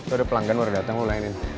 udah pelanggan udah dateng udah ulangin ini